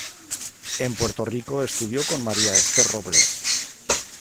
En Puerto Rico estudió con María Esther Robles.